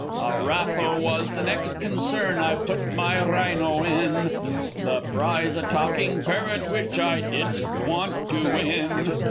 A raffle was the next concern I put my rhino in: The prize a talking parrot, which I didn't want to win.